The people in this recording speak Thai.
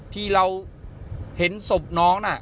ที่เราเห็นศพน้องน่ะ